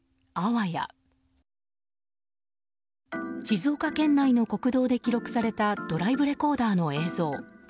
静岡県内の国道で記録されたドライブレコーダーの映像。